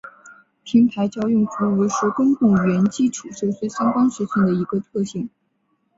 平台叫用服务是公共语言基础设施相关实现的一个特性。